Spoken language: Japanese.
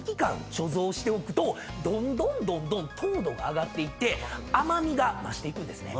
貯蔵しておくとどんどんどんどん糖度が上がっていって甘味が増していくんですね。